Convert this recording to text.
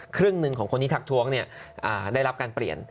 ครึ่งหนึ่งของคนที่ทักท้วงได้รับการเปลี่ยน